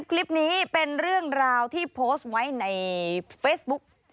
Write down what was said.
คลิปนี้เป็นเรื่องราวที่โพสต์ไว้ในเฟซบุ๊ก